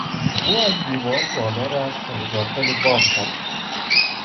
او از دیوار بالا رفت و به داخل باغ پرید.